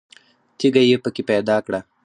تیږه یې په کې پیدا کړه.